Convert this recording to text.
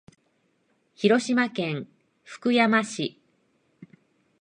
広島県福山市